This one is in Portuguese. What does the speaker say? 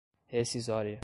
rescisória